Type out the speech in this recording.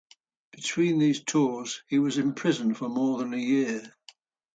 Between these tours, he was imprisoned for more than a year.